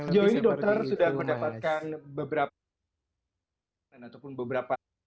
jauh ini dokter sudah mendapatkan beberapa